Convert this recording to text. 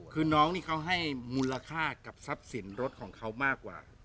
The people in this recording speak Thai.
คือน้องนี่เขาให้มูลค่ากับทรัพย์สินรถของเขามากกว่า